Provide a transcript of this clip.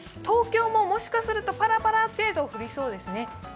東京ももしかするとパラパラ程度降りそうですね。